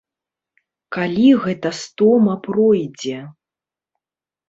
Калі гэта стома пройдзе?